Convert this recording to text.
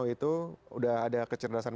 itu udah ada kecerdasan